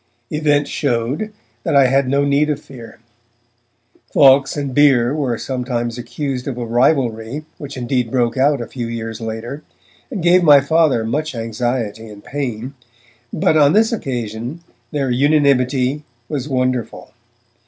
Events showed that I had no need of fear. Fawkes and Bere were sometimes accused of a rivalry, which indeed broke out a few years later, and gave my Father much anxiety and pain. But on this occasion their unanimity was wonderful.